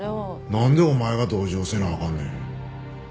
なんでお前が同情せなあかんねん。